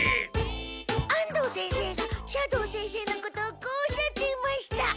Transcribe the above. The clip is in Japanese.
安藤先生が斜堂先生のことをこうおっしゃっていました。